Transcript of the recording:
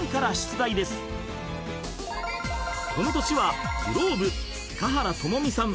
［この年はｇｌｏｂｅ華原朋美さん